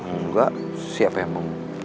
enggak siapa yang mau